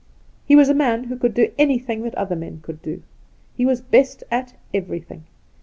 ' He was a man who could do anything that other men could do. He was best at everything.